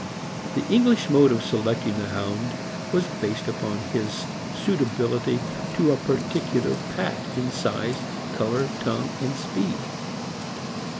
The English mode of selecting the Hound was based upon his suitability to a particular pack in size, color, tongue, and speed.